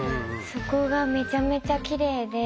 そこがめちゃめちゃきれいで。